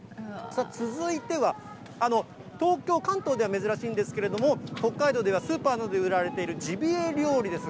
さあ、続いては、東京、関東では珍しいんですけれども、北海道ではスーパーなどで売られているジビエ料理です。